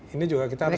ini juga kita harus